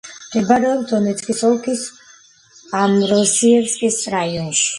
მდებარეობს დონეცკის ოლქის ამვროსიევკის რაიონში.